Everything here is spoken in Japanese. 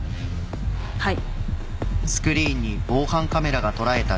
はい。